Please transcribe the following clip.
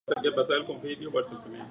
إن كنت من جهل حقي غير معتذر